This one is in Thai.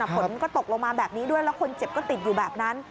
ฝนก็ตกลงมาแบบนี้ด้วยแล้วคนเจ็บก็ติดอยู่แบบนั้น